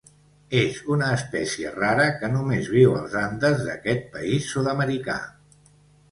És una espècie rara que només viu als Andes d'aquest país sud-americà.